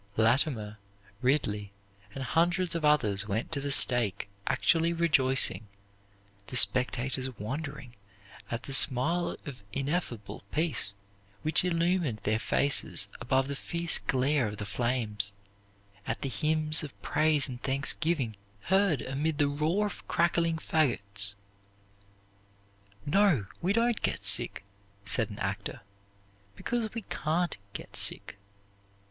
Latimer, Ridley, and hundreds of others went to the stake actually rejoicing, the spectators wondering at the smile of ineffable peace which illumined their faces above the fierce glare of the flames, at the hymns of praise and thanksgiving heard amid the roar of crackling fagots. "No, we don't get sick," said an actor, "because we can't get sick.